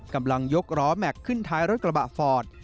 กำลังยกล้อแม็กซ์ขึ้นท้ายรถกระบะฟอร์ด